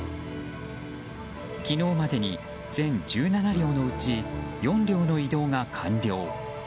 昨日までに全１７両のうち４両の移動が完了。